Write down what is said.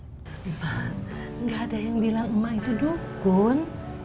emak gak ada yang bilang emak itu dukun